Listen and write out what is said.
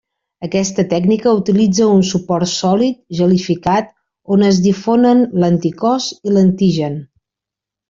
Aquesta tècnica utilitza un suport sòlid gelificat on es difonen l'anticòs i l'antigen.